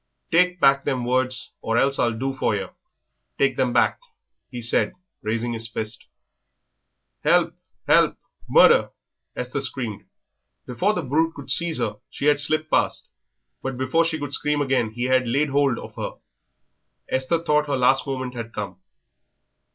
"Take back them words, or else I'll do for yer; take them back," he said, raising his fist. "Help, help, murder!" Esther screamed. Before the brute could seize her she had slipped past, but before she could scream again he had laid hold of her. Esther thought her last moment had come.